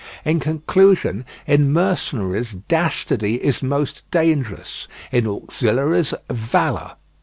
In conclusion, in mercenaries dastardy is most dangerous; in auxiliaries, valour.